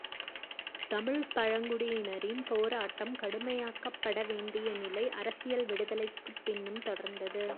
தமிழ்ப் பழங்குடியினரின் போராட்டம் கடுமையாக்கப்பட வேண்டிய நிலை அரசியல் விடுதலைக்குப் பின்னும் தொடர்ந்தது.